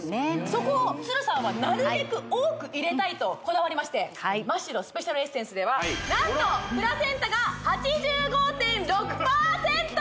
そこをさんはなるべく多く入れたいとこだわりましてマ・シロスペシャルエッセンスでは何とプラセンタが８５．６％！